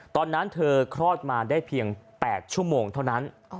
ตอนนั้นเธอคลอดมาได้เพียง๘ชั่วโมงเท่านั้น